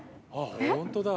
△本当だ。